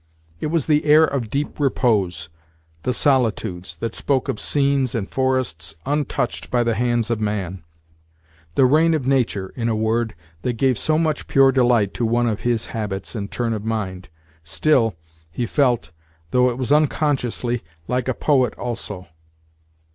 It was the air of deep repose the solitudes, that spoke of scenes and forests untouched by the hands of man the reign of nature, in a word, that gave so much pure delight to one of his habits and turn of mind. Still, he felt, though it was unconsciously, like a poet also.